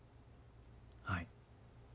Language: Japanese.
はい。